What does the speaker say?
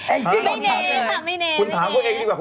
แองจิแต่เรียกก่อนถามอะ